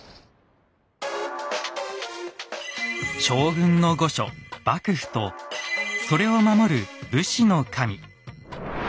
将軍の御所幕府とそれを守る武士の神。